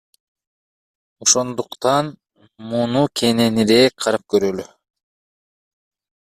Ошондуктан муну кененирээк карап көрөлү.